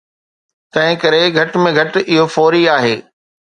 تنهنڪري گهٽ ۾ گهٽ اهو فوري آهي